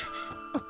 あ。